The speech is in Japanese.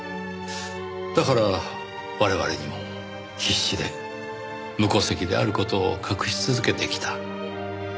だから我々にも必死で無戸籍である事を隠し続けてきた。